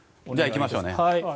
行きましょう。